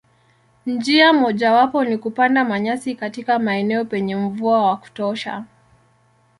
Njia mojawapo ni kupanda manyasi katika maeneo penye mvua wa kutosha.